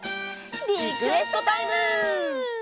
リクエストタイム！